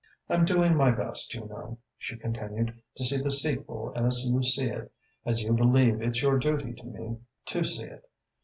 "'I'm doing my best, you know,' she continued, 'to see the sequel as you see it, as you believe it's your duty to me to see it.